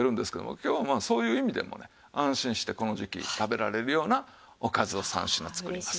今日はそういう意味でもね安心してこの時期食べられるようなおかずを３品作ります。